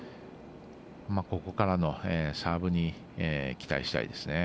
ここからのサーブに期待したいですね。